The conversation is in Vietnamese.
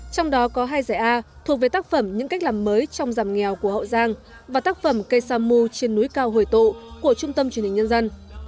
trong đó có hai giải a thuộc về tác phẩm những cách làm mới trong giảm nghèo của hậu giang và tác phẩm cây sa mu trên núi cao hội tụ của trung tâm truyền hình nhân dân